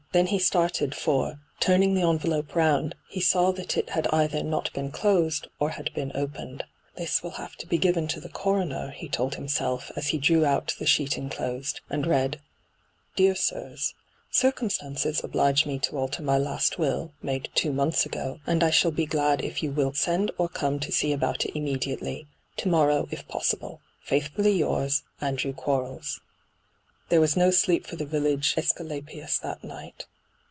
Then he started, for, turning the envelope round, he saw that it had either not been closed or had been opened. ' This will have to be given to the coroner,' he told himself, as he drew out the sheet enclosed, and read : 'Dear Sibs, ' Circumstances oblige me to alter my last will, made two months ago, and I shall be glad if you will send or come to see about it immediately — to morrow if possible. ' Faithfully yours, ' Andrew Quaelbs.' ENTRAPPED 41 There was no sleep for the village ^scu lapius that night.